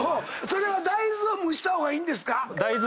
それは大豆を蒸した方がいいんですか？